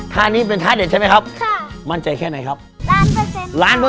ท่านี้เป็นท่าเด็ดใช่ไหมครับค่ะมั่นใจแค่ไหนครับล้านเปอร์เซ็นต์ล้านเปอร์